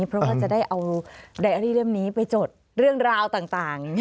เพราะว่าจะได้เอาไดอารี่เล่มนี้ไปจดเรื่องราวต่าง